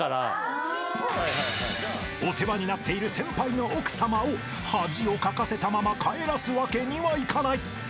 ［お世話になっている先輩の奥さまを恥をかかせたまま帰らすわけにはいかない］